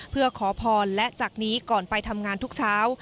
เพื่อขอพรและจากนี้ก่อนไปทำงานทุกเช้า